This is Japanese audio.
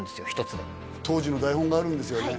１つで当時の台本があるんですよね？